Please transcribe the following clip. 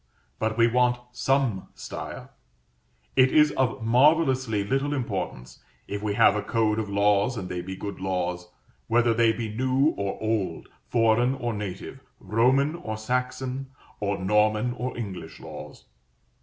But we want some style. It is of marvellously little importance, if we have a code of laws and they be good laws, whether they be new or old, foreign or native, Roman or Saxon, or Norman or English laws.